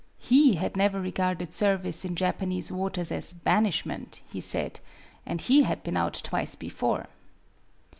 He had never regarded ser vice in Japanese waters as banishment, he said, and he had been out twice before.